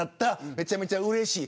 めちゃめちゃうれしい。